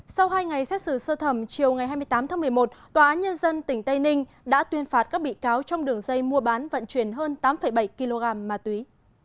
sau hai ngày xét xử sơ thẩm chiều ngày hai mươi tám tháng một mươi một tòa án nhân dân tỉnh tây ninh đã tuyên phạt các bị cáo trong đường dây mua bán vận chuyển hơn tám bảy kg ma túy